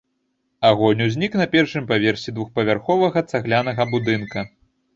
Агонь узнік на першым паверсе двухпавярховага цаглянага будынка.